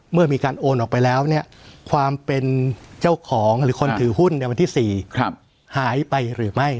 เมื่อมีการโอนออกไปแล้วเนี่ยความเป็นเจ้าของหรือคนถือหุ้นในวันที่๔หายไปหรือไม่